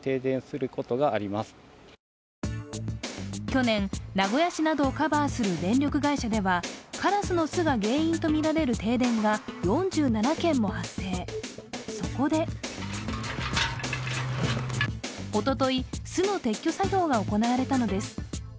去年、名古屋市などをカバーする電力会社ではカラスの巣が原因とみられる停電が４７件も発生、そこでおととい、巣の撤去作業が行われたのです。